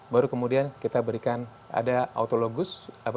baru kemudian kita berikan ada autologus